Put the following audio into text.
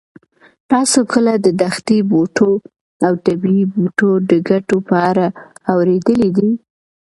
تاسو کله د دښتي بوټو او طبي بوټو د ګټو په اړه اورېدلي دي؟